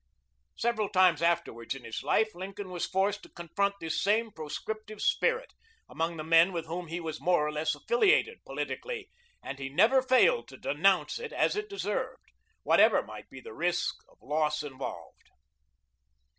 Several times afterwards in his life Lincoln was forced to confront this same proscriptive spirit among the men with whom he was more or less affiliated politically, and he never failed to denounce it as it deserved, whatever might be the risk of loss involved.